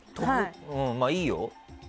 まあ、いいよ。